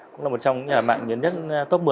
cũng là một trong những nhà mạng lớn nhất top một mươi